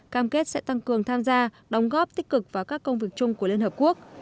cam kết sẽ tăng cường tham gia đóng góp tích cực vào các công việc chung của liên hợp quốc